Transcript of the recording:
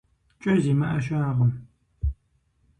КӀэ зимыӀэ щыӀэкъым.